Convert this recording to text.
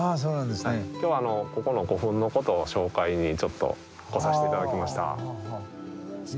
今日はここの古墳のことを紹介にちょっと来させて頂きました。